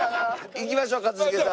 いきましょう一茂さん。